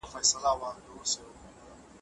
وخت که لېونی سو، توپانونو ته به څه وایو